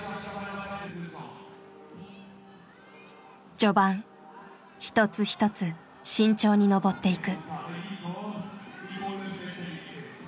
序盤一つ一つ慎重に登っていく。